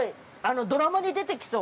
ドラマに出てきそう。